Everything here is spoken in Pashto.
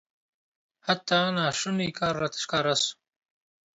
حتی ناشونی کار راته ښکاره سو.